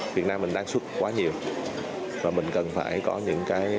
việt nam đang xuất quá nhiều